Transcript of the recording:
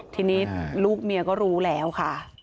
ทีนี้ลูกเมียก็รู้แล้วค่ะ